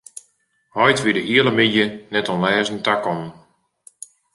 Heit wie de hiele middei net oan lêzen takommen.